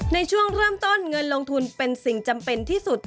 ในช่วงเริ่มต้นเงินลงทุนเป็นสิ่งจำเป็นที่สุด